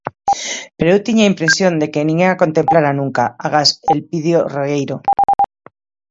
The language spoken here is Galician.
Pero eu tiña a impresión de que ninguén a contemplara nunca, agás Elpidio Regueiro.